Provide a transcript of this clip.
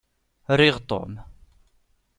Riɣ Tom.